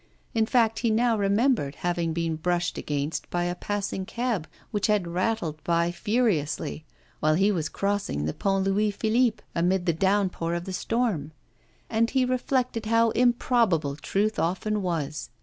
In fact he now remembered having been brushed against by a passing cab, which had rattled by furiously while he was crossing the Pont Louis Philippe, amid the downpour of the storm. And he reflected how improbable truth often was.